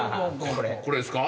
これですか？